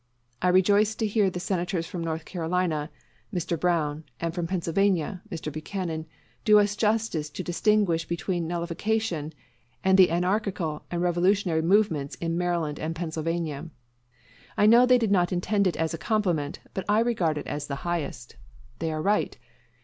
I rejoiced to hear the Senators from North Carolina [Mr. Brown], and from Pennsylvania [Mr. Buchanan], do us the justice to distinguish between nullification and the anarchical and revolutionary movements in Maryland and Pennsylvania. I know they did not intend it as a compliment; but I regard it as the highest. They are right.